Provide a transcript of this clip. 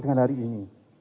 dengan hari ini